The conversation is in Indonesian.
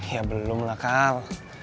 ya belum lah kal